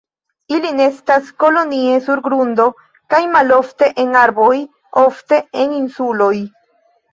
Ili nestas kolonie sur grundo kaj malofte en arboj, ofte en insuloj.